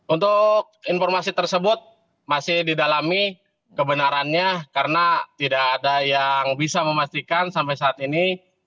untuk informasi tersebut masih didalami kebenarannya karena tidak ada yang bisa memastikan sampai saat ini